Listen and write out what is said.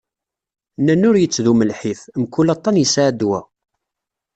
Nnan ur yettdum lḥif, mkul aṭṭan yesεa ddwa.